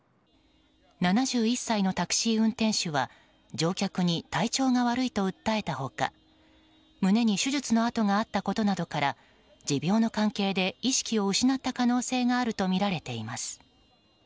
７１歳のタクシー運転手は乗客に体調が悪いと訴えた他胸に手術の跡があったことなどから持病の関係で意識を失った可能性があるとみられています。